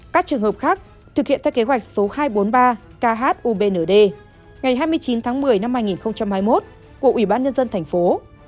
các trường hợp khác thực hiện theo kế hoạch số hai trăm bốn mươi ba khubnd ngày hai mươi chín tháng một mươi năm hai nghìn hai mươi một của ủy ban nhân dân thành phố